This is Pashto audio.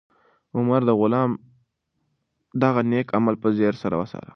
عمر د غلام دغه نېک عمل په ځیر سره څاره.